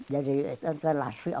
jadi itu kan lasui